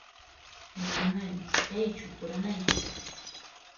Manuel ¿Kaychu quranayki?